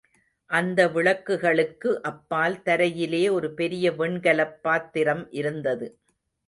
அந்த விளக்குகளுக்கு அப்பால் தரையிலே ஒரு பெரிய வெண்கலப் பாத்திரம் இருந்தது.